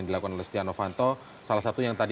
dilakukan oleh stiano vanto salah satu yang tadi